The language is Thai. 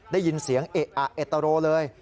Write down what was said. ได้ยินเสียงเอะอะเอตโรเลย